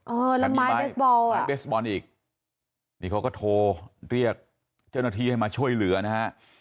เออแล้วไม้เบสบอลไม้เบสบอลอีกนี่เขาก็โทรเรียกเจ้าหน้าที่ให้มาช่วยเหลือนะฮะ